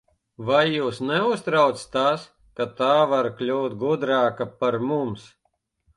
Vai jūs neuztrauc tas, ka tā var kļūt gudrāka par mums?